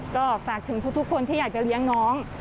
ก็ฝากถึงทุกคนที่อยากจะเลี้ยงน้อง